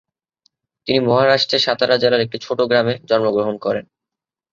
তিনি মহারাষ্ট্রের সাতারা জেলার একটি ছোট গ্রামে জন্মগ্রহণ করেন।